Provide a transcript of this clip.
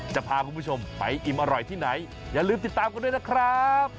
จะพาคุณผู้ชมไปอิ่มอร่อยที่ไหนอย่าลืมติดตามกันด้วยนะครับ